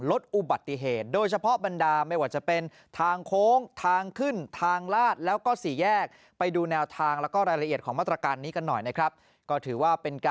รถอุบัติเหตุโดยเฉพาะบรรดาไม่ว่าจะเป็น